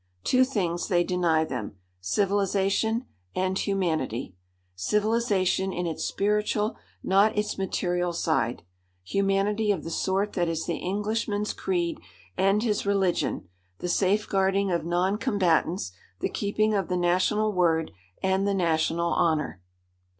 Two things they deny them, civilisation and humanity civilisation in its spiritual, not its material, side; humanity of the sort that is the Englishman's creed and his religion the safeguarding of noncombatants, the keeping of the national word and the national honour.